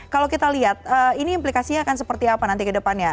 kalau kita lihat ini implikasinya akan seperti apa nanti ke depannya